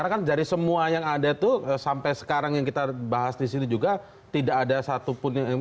karena kan dari semua yang ada itu sampai sekarang yang kita bahas disini juga tidak ada satupun yang